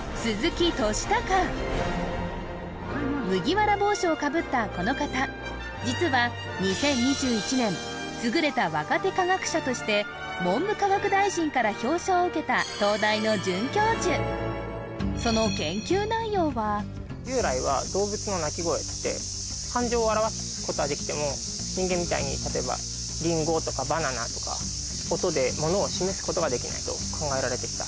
麦わら帽子をかぶったこの方実は２０２１年優れた若手科学者として文部科学大臣から表彰を受けた東大の准教授その研究内容は従来は動物の鳴き声って人間みたいに例えば「リンゴ」とか「バナナ」とかと考えられてきた